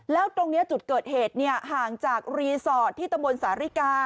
แล้วตรงนี้จุดเกิดเหตุห่างจากรีสอร์ทที่ตำบลสาริกา